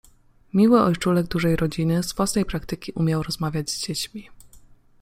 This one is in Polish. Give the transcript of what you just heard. Miły ojczulek Dużej Rodziny z własnej praktyki umiał rozmawiać z dziećmi.